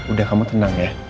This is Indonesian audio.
udah kamu tenang ya